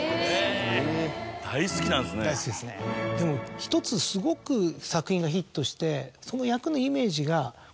でも１つすごく作品がヒットして。